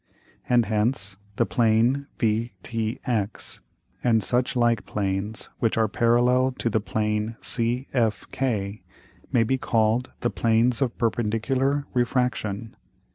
And hence, the Plane VTX, and such like Planes which are parallel to the Plane CFK, may be called the Planes of perpendicular Refraction.